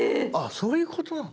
⁉そういうことなの？